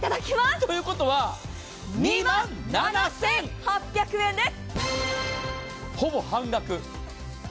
ということは２万７８００円です。